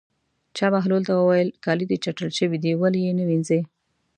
چا بهلول ته وویل: کالي دې چټل شوي دي ولې یې نه وینځې.